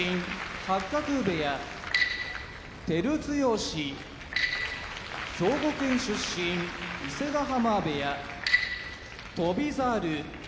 八角部屋照強兵庫県出身伊勢ヶ濱部屋翔猿